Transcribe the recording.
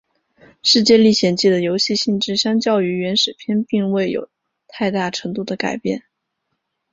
世界历险记的游戏性质相较于原始片并未有太大程度的改变。